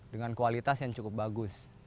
dengan kualitas yang cukup bagus